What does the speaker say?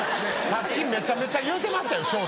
さっきめちゃめちゃ言うてましたよ